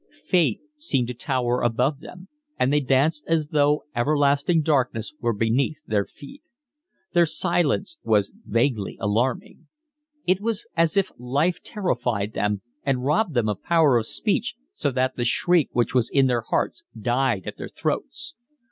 Fate seemed to tower above them, and they danced as though everlasting darkness were beneath their feet. Their silence was vaguely alarming. It was as if life terrified them and robbed them of power of speech so that the shriek which was in their hearts died at their throats.